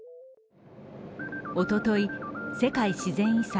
おととい、世界自然遺産